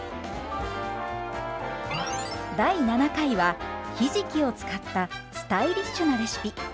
第７回はひじきを使ったスタイリッシュなレシピ。